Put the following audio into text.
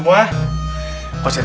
kalo sergi kita bisa keluar sekarang